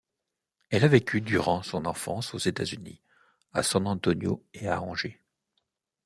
Elle a vécu durant son enfance aux États-Unis, à San Antonio et à Angers.